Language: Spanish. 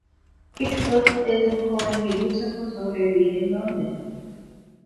Víctor es un joven que lucha por sobrevivir en Londres.